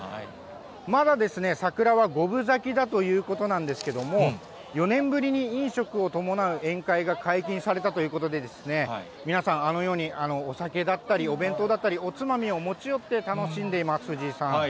まだですね、桜は５分咲きだということなんですけれども、４年ぶりに飲食を伴う宴会が解禁されたということで、皆さん、あのようにお酒だったり、お弁当だったり、おつまみを持ち寄って楽しんでいます、藤井さん。